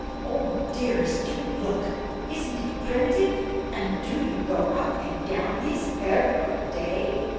"Oh, dearest, do look. Isn't it primitive? And do you go up and down this every day?"